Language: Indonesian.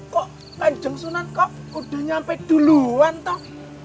kok kanjeng sunan kok udah nyampe duluan toh